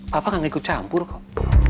papa gak ngikut campur kok